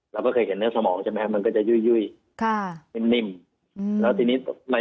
เราก็เคยเห็นเนื้อสมองใช่ไหมมันก็จะยุ่ยค่ะนิ่ม